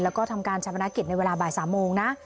แล้วก็ทำการชาปนกิจในเวลาบ่าย๓โมงนะ